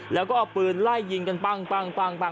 แล้วก็เอาปืนไล่ยิงกันปั้งปั้งปั้งปั้ง